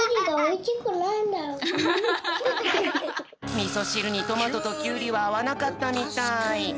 みそしるにトマトときゅうりはあわなかったみたい。